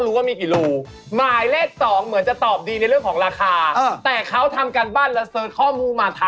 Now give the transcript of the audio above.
สำหรับหนูนะคะเบอร์๒กับเบอร์๓มีสิทธิ์